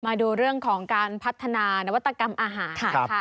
มาดูเรื่องของการพัฒนานวัตกรรมอาหารนะคะ